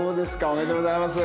おめでとうございます。